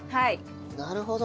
なるほど。